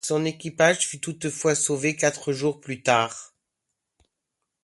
Son équipage fut toutefois sauvé quatre jours plus tard.